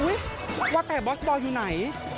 ว่าแต่บอสบอลอยู่ไหน